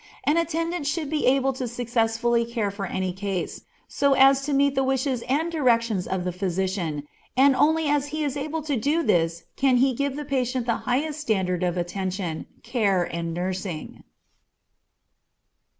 An attendant should be able to successfully care for any case, so as to meet the wishes and directions of the physician, and only as he is able to do this can he give the patient the highest standard of attention, care, and nursing.